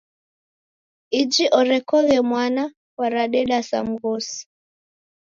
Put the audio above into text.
Iji orekoghe mwana, waradeda sa mghosi!